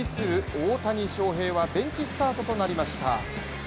大谷翔平はベンチスタートとなりました。